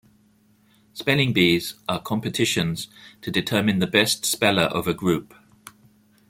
Spelling bees are competitions to determine the best speller of a group.